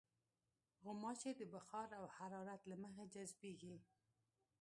غوماشې د بخار او حرارت له مخې جذبېږي.